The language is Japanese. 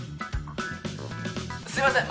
「すいません。